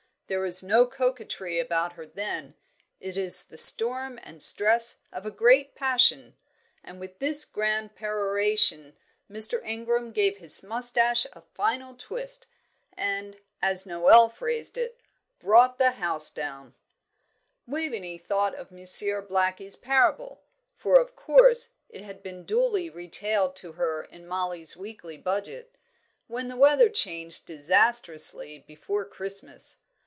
There is no coquetry about her then; it is the storm and stress of a great passion." And with this grand peroration Mr. Ingram gave his moustache a final twist, and, as Noel phrased it, brought down the house. Waveney thought of Monsieur Blackie's parable for of course it had been duly retailed to her in Mollie's weekly budget when the weather changed disastrously before Christmas.